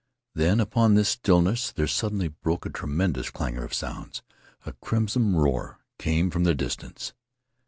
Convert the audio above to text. Then, upon this stillness, there suddenly broke a tremendous clangor of sounds. A crimson roar came from the distance.